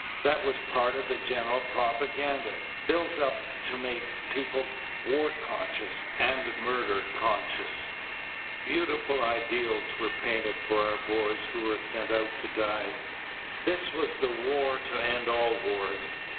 That was a part of the general propaganda, built up to make people war conscious and murder conscious. Beautiful ideals were painted for our boys who were sent out to die. This was the "war to end all wars."